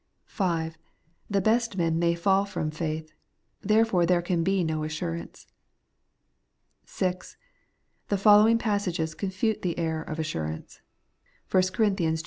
(5) The best men may fall from faith ; there fore there can be no assurance. (6) The following passages confute the error of assurance : 1 Cor. x.